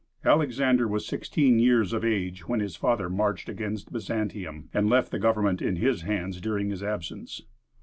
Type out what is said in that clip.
Alexander was sixteen years of age when his father marched against Byzantium, and left the government in his hands during his absence.